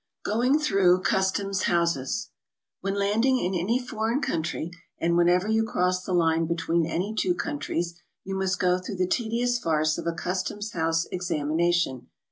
GOING THROUGH CUSTOMS HOUSES. When landing in any foreign country, and whenever you cross the line between any two countries, you must go through the tedious farce of a customs house examination.